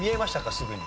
すぐに。